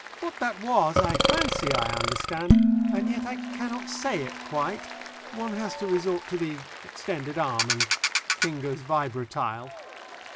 What that was I fancy I understand, and yet I cannot say it quite. One has to resort to the extended arm and fingers vibratile.